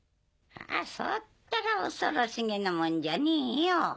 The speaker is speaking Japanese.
そったら恐ろしげなもんじゃねえよ。